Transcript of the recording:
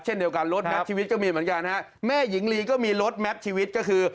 เช่นเดียวกันรถแมทชีวิตก็มีเหมือนกันฮะแม่หญิงลีก็มีรถแมพชีวิตก็คือ